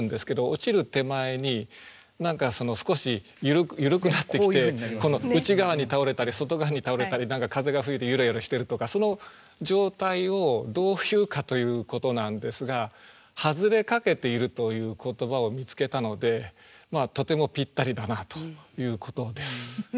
落ちる手前に何か少し緩くなってきて内側に倒れたり外側に倒れたり風が吹いてゆらゆらしてるとかその状態をどう言うかということなんですが外れかけているという言葉を見つけたのでとてもぴったりだなということです。